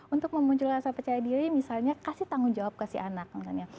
untuk memuncul rasa percaya diri misalnya kasih tanggung jawab ke si anak misalnya